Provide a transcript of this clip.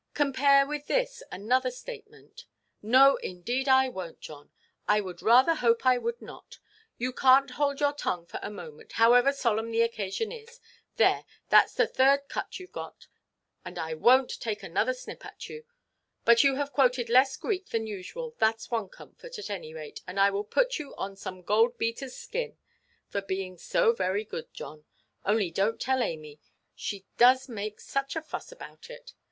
Compare with this another statement——" "No, indeed I wonʼt, John. I should rather hope I would not. You canʼt hold your tongue for a moment, however solemn the occasion is. There, thatʼs the third cut youʼve got, and I wonʼt take another snip at you. But you have quoted less Greek than usual; thatʼs one comfort, at any rate, and I will put you on some gold–beaterʼs skin, for being so very good, John. Only donʼt tell Amy; she does make such a fuss about it.